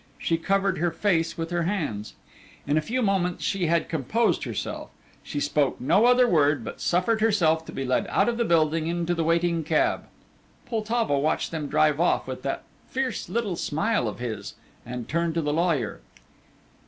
She covered her face with her hands. In a few moments she had composed herself; she spoke no other word, but suffered herself to be led out of the building into the waiting cab. Poltavo watched them drive off with that fierce little smile of his, and turned to the lawyer.